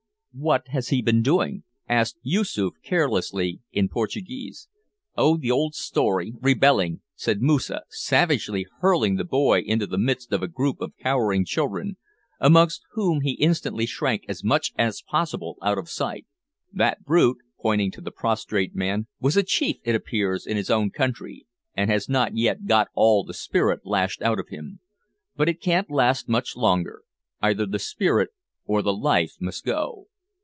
"What has he been doing?" asked Yoosoof carelessly, in Portuguese. "Oh, the old story, rebelling," said Moosa, savagely hurling the boy into the midst of a group of cowering children, amongst whom he instantly shrank as much as possible out of sight. "That brute," pointing to the prostrate man, "was a chief, it appears, in his own country, and has not yet got all the spirit lashed out of him. But it can't last much longer; either the spirit or the life must go.